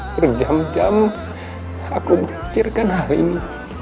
berjam jam aku berpikirkan hal ini